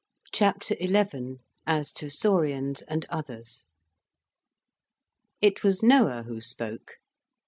CHAPTER XI: AS TO SAURIANS AND OTHERS It was Noah who spoke.